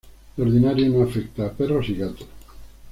De ordinario no afecta a perros y gatos.